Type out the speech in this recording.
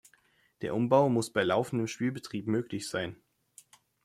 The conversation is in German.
Der Umbau muss bei laufenden Spielbetrieb möglich sein.